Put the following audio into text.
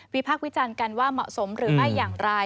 พากษ์วิจารณ์กันว่าเหมาะสมหรือไม่อย่างไร